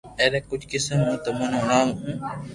ائرا ڪجھ قسم ھون تموني ھڻاوُ ھون